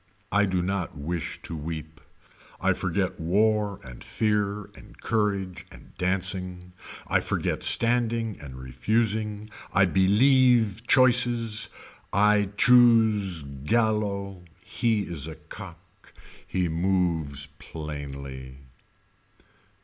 I do not wish to weep. I forget war and fear and courage and dancing. I forget standing and refusing. I believe choices. I choose Gallo. He is a cock. He moves plainly.